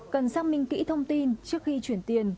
cần xác minh kỹ thông tin trước khi chuyển tiền